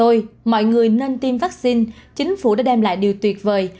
lợi ích cho tôi mọi người nên tiêm vắc xin chính phủ đã đem lại điều tuyệt vời